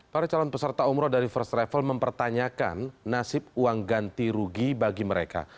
para calon peserta umroh dari first travel mempertanyakan nasib uang ganti rugi bagi mereka